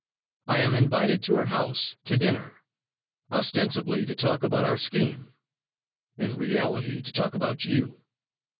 I am invited to her house to dinner, ostensibly to talk about our scheme, in reality to talk about you.